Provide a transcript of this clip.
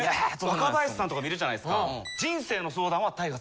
若林さんとかいるじゃないですか。